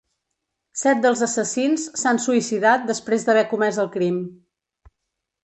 Set dels assassins s’han suïcidat després d’haver comès el crim.